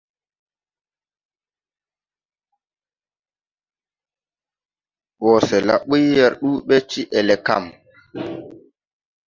Wɔsɛla yo ɓuy yɛr ndu ɓɛ ti ELECAM.